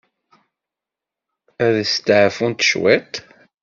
Ad testeɛfumt cwit?